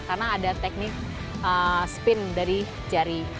karena ada teknik spin dari jari